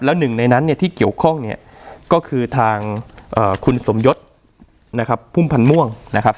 แล้วหนึ่งในนั้นที่เกี่ยวข้องก็คือทางคุณสมยศพุ่มพันม่วงนะครับ